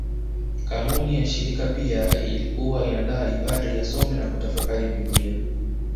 Kanuni ya shirika pia ilikuwa inadai padri asome na kutafakari Biblia